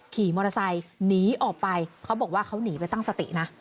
ขี่มอเตอร์ไซค์หนีออกไปเขาบอกว่าเขาหนีไปตั้งสตินะ